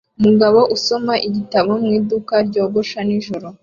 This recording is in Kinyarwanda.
Umugabo usoma igitabo mu iduka ryogosha nijoro